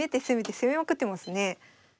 攻めまくってますね。